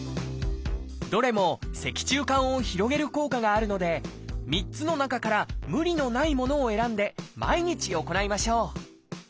どれも脊柱管を広げる効果があるので３つの中から無理のないものを選んで毎日行いましょう。